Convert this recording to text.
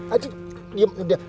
aduh diem udah